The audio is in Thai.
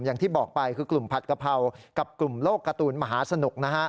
อย่างที่บอกไปคือกลุ่มผัดกะเพรากับกลุ่มโลกการ์ตูนมหาสนุกนะฮะ